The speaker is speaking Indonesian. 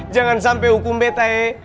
jangan sampai hukum bete